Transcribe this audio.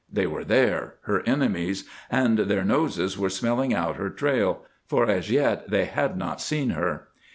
They were there—her enemies—and their noses were smelling out her trail, for as yet they had not seen her.